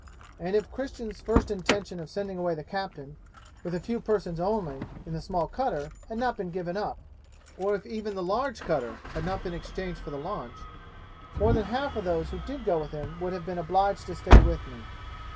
And if Christian's first intention of sending away the captain, with a few persons only, in the small cutter, had not been given up, or if even the large cutter had not been exchanged for the launch, more than half of those who did go with him would have been obliged to stay with me.